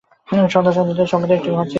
সন্তান-সন্ততি সমেত একটা ঘর চেয়েছিলাম।